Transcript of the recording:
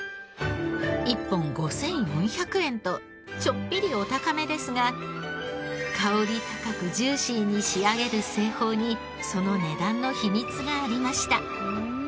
１本５４００円とちょっぴりお高めですが薫り高くジューシーに仕上げる製法にその値段の秘密がありました。